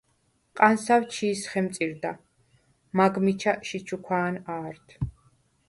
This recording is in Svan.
ყანსავ ჩი̄ს ხემწირდა, მაგ მიჩა შიჩუქვა̄ნ ა̄რდ.